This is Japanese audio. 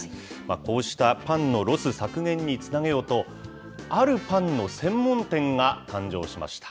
こうしたパンのロス削減につなげようと、あるパンの専門店が誕生しました。